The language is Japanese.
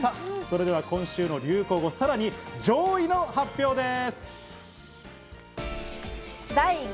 今週の流行語、さらに上位の発表です。